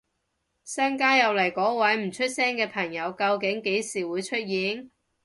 新加入嗰位唔出聲嘅朋友究竟幾時會出現？